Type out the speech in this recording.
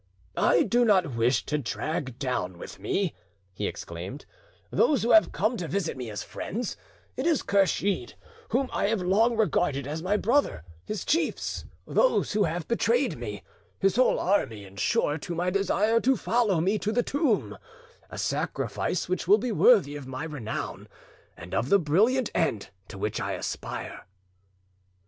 "I do not wish to drag down with me," he exclaimed, "those who have come to visit me as friends; it is Kursheed, whom I have long regarded as my brother, his chiefs, those who have betrayed me, his whole army in short, whom I desire to follow me to the tomb—a sacrifice which will be worthy of my renown, and of the brilliant end to which I aspire."